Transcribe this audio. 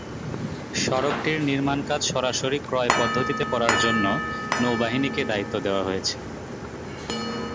সড়কটির নির্মাণকাজ সরাসরি ক্রয় পদ্ধতিতে করার জন্য নৌবাহিনীকে দায়িত্ব দেওয়া হয়েছে।